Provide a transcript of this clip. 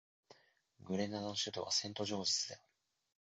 グレナダの首都はセントジョージズである